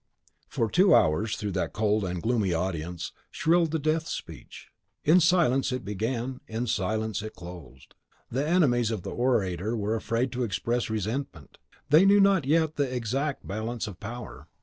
For two hours, through that cold and gloomy audience, shrilled the Death speech. In silence it began, in silence closed. The enemies of the orator were afraid to express resentment; they knew not yet the exact balance of power.